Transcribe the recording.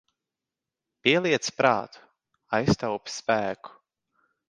Pieliec prātu, aiztaupi spēku.